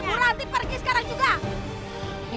bu ranti pergi sekarang juga